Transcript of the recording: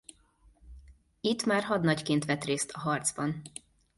Itt már hadnagyként vett részt a harcban.